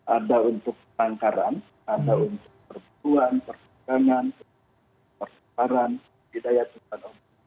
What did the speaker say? ada untuk tangkaran ada untuk pertuan pertukangan perseparan kinerja pemerintahan